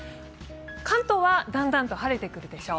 関東はだんだんと晴れてくるでしょう。